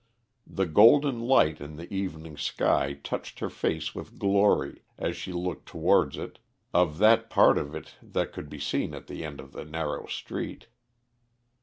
The golden light in the evening sky touched her face with glory, as she looked towards it, of that part of it that could be seen at the end of the narrow street.